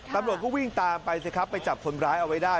ตำรวจก็วิ่งตามไปสิครับไปจับคนร้ายเอาไว้ได้